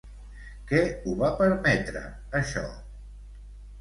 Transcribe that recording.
Què ho va permetre, això?